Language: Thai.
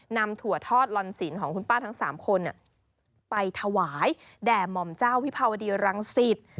ถั่วทอดลอนสินของคุณป้าทั้ง๓คนไปถวายแด่หม่อมเจ้าวิภาวดีรังสิต